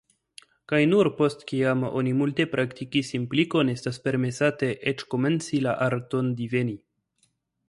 Kaj nur postkiam oni multe praktikis implikon, estas permesate eĉ komenci la arton diveni.